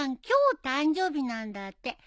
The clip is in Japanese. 今日誕生日なんだって。